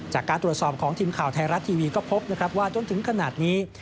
จากการตรวจสอบของทีมข่าวไทยรัฐทีวีก็พบนะครับว่าจนถึงขนาดนี้